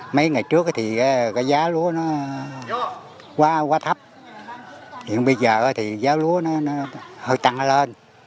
mấy ngày trước thì cái giá lúa nó quá thấp hiện bây giờ thì giá lúa nó hơi tăng lên